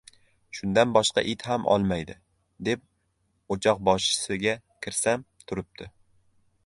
— Shundan boshqa it ham olmaydi, deb o‘choqboshisiga kirsam, turibdi.